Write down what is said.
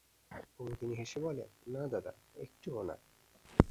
কুমুদিনী হেসে বলে, না দাদা, একটুও না।